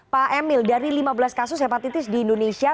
pak emil dari lima belas kasus hepatitis di indonesia